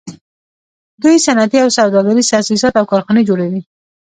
دوی صنعتي او سوداګریز تاسیسات او کارخانې جوړوي